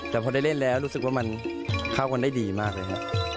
แต่พอได้เล่นแล้วรู้สึกว่ามันเข้ากันได้ดีมากเลยครับ